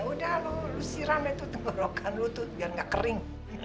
ya udah lo siram itu tenggorokan lo tuh biar nggak kering